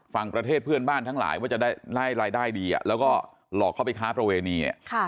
ประเทศเพื่อนบ้านทั้งหลายว่าจะได้รายได้ดีแล้วก็หลอกเข้าไปค้าประเวณี